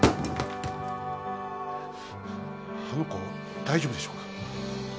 あの子、大丈夫でしょうか。